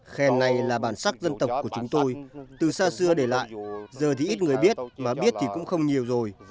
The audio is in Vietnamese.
khen này là bản sắc dân tộc của chúng tôi từ xa xưa để lại giờ thì ít người biết và biết thì cũng không nhiều rồi